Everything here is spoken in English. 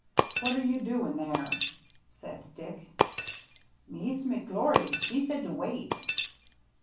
" What are you doing there ?" said Dick. " Mees' McGlory, she say to wait."